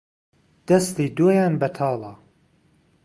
دەستی دۆیان بەتاڵە